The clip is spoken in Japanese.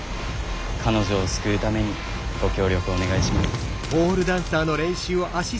彼女を救うためにご協力お願いします。